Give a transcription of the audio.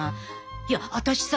いや私さ